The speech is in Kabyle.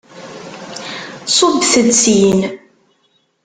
Ṣubbet-d syin!